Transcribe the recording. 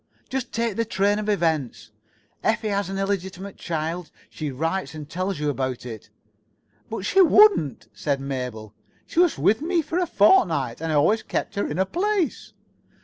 Just take the train of events. Effie has an illegitimate child. She writes and tells you about it." "But she wouldn't," said Mabel. "She was with me for a fortnight, and I always kept her in her place."